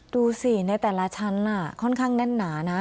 ดูสิในแต่ละชั้นค่อนข้างแน่นหนานะ